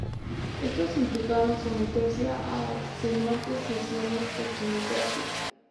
Estos implicaron someterse a extenuantes sesiones de quimioterapia.